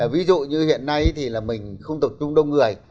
ví dụ như hiện nay thì là mình không tập trung đông người